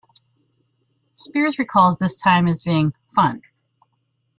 Spears recalls this time as being "fun".